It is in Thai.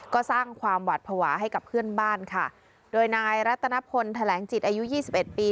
ก็สร้างความหวัดภาวะให้กับเพื่อนบ้านค่ะโดยนายรัตนพลแถลงจิตอายุยี่สิบเอ็ดปี